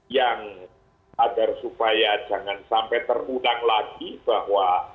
yang agar supaya jangan sampai terulang lagi bahwa